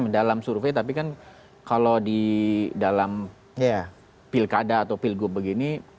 dalam survei tapi kan kalau di dalam pilkada atau pilgub begini